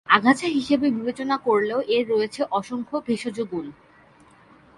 আগাছা হিসাবে বিবেচনা করলেও এর রয়েছে অসংখ্য ভেষজ গুণ।